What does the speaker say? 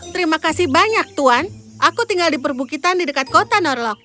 terima kasih banyak tuan aku tinggal di perbukitan di dekat kota norlok